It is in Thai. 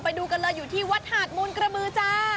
ไปดูกันเลยอยู่ที่วัดหาดมูลกระบือจ้า